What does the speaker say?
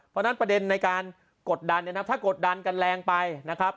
เพราะฉะนั้นประเด็นในการกดดันเนี่ยนะครับถ้ากดดันกันแรงไปนะครับ